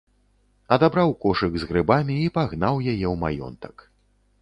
Адабраў кошык з грыбамі і пагнаў яе ў маёнтак.